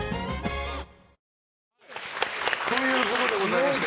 ということでございまして。